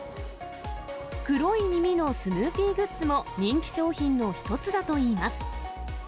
黒い耳のスヌーピーグッズも人気商品の一つだといいます。